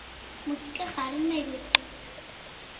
Musika jarri nahi dut